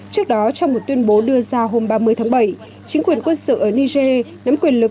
trước đó trong một tuyên bố đưa ra hôm ba mươi tháng bảy chính quyền quân sự ở niger nắm quyền lực